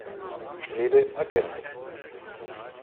Strebe“ ergänzt.